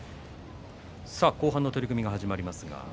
後半の取組が始まります。